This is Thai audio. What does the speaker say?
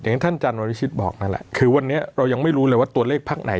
ท่านจันวริชิตบอกนั่นแหละคือวันนี้เรายังไม่รู้เลยว่าตัวเลขพักไหน